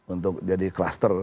untuk jadi cluster